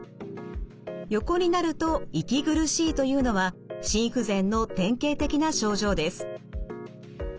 横になると息苦しいというのは心不全の典型的な症状です。